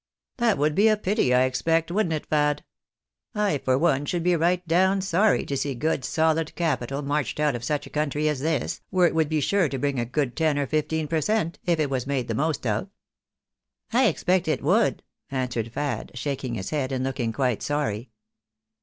" That would be a pity, I expect, wouldn't it, Fad ? I, for one, should be right down sorry to see good solid capital marched out of such a country as this, where it would be sure to bring a good ten or fifteen per cent, if it was made the most of." " I expect it would," answered Fad, shaking his head, and looking quite sorry.